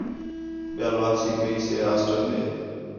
ٻِیال واپسی کَئی سے ہاسٹل ݙے